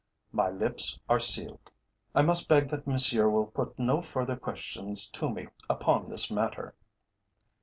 "My lips are sealed. I must beg that Monsieur will put no further questions to me upon this matter."